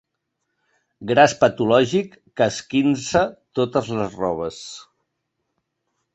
Gras patològic que esquinça totes les robes.